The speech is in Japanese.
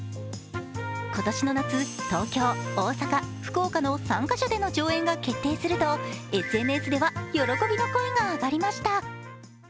今年の夏、東京、大阪、福岡の３か所での上演が決定すると、ＳＮＳでは喜びの声が上がりました。